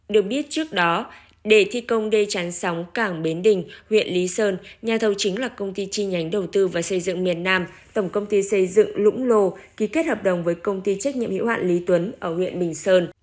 được biết trước đó để thi công đê chắn sóng cảng bến đình huyện lý sơn nhà thầu chính là công ty chi nhánh đầu tư và xây dựng miền nam tổng công ty xây dựng lũng lô ký kết hợp đồng với công ty trách nhiệm hiệu hạn lý tuấn ở huyện bình sơn